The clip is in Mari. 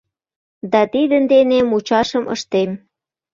— Да тидын дене мучашым ыштем.